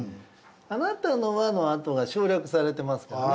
「あなたのは」のあとが省略されてますからね。